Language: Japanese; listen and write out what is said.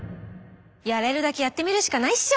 やれるだけやってみるしかないっしょ！